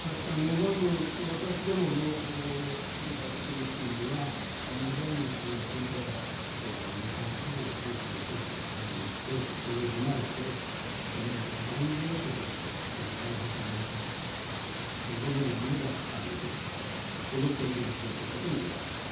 まず、私どもの今回、特別チームはジャニー氏による性加害の事実に関する調査それを踏まえて、ジャニーズ事務所としてこの再発防止策、どのようなものがあるべきか、これを提言することにございました。